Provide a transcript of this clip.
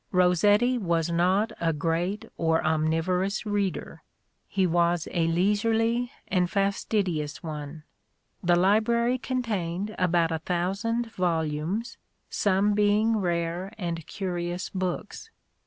Rossetti was not a great or omnivorous reader, — he was a leisurely and fastidious one. The library contained about a thousand volumes, some being rare and curious books.